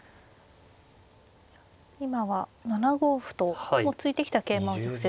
今は７五歩と突いてきた桂馬を直接。